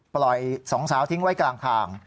สองสาวทิ้งไว้กลางทาง